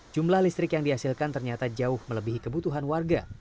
jumlah listrik yang dihasilkan ternyata jauh melebihi kebutuhan warga